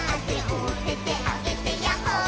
「おててあげてヤッホー」